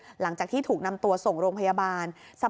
พอหลังจากเกิดเหตุแล้วเจ้าหน้าที่ต้องไปพยายามเกลี้ยกล่อม